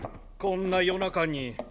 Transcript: こんな夜中に。